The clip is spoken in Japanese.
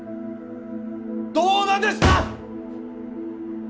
どうなんですか！